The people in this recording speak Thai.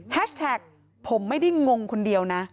แท็กผมไม่ได้งงคนเดียวนะ